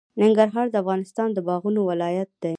ننګرهار د افغانستان د باغونو ولایت دی.